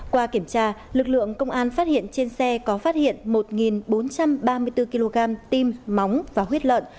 qua kiểm tra lực lượng công an phát hiện trên xe có phát hiện một bốn trăm ba mươi bốn kg tim móng và huyết lợn